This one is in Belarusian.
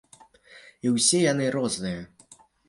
І ўсе яны розныя.